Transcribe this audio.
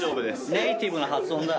ネイティブな発音だ。